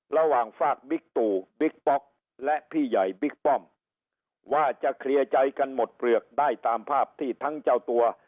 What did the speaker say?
ระหว่างฝากบิ๊กตู่บิ๊กป๊อกและพี่ใหญ่บิ๊กป้อมว่าจะเคลียร์ใจกันหมดเปลือกได้ตามภาพที่ทั้งเจ้าตัว